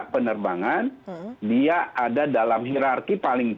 penerbangan dia ada dalam hirarki paling